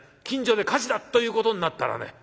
近所で火事だということになったらね